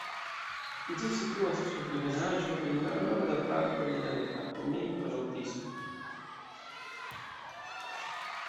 Ĝi situas sur ebenaĵo en la norda parto de la departemento laŭ Tiso.